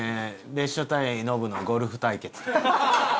別所対ノブのゴルフ対決。